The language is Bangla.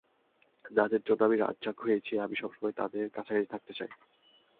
যাঁদের জন্য আমি রাজ্জাক হয়েছি আমি সবসময় তাঁদের কাছাকাছি থাকতে চাই।